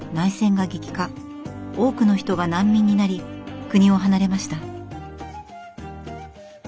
多くの人が難民になり国を離れました。